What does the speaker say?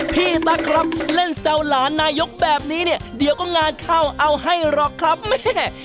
ตั๊กครับเล่นแซวหลานนายกแบบนี้เนี่ยเดี๋ยวก็งานเข้าเอาให้หรอกครับแม่